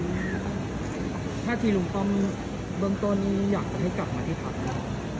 ถ้าที่ลุงป้อมเบืองตัวนี้อยากให้กลับมาที่ภาพ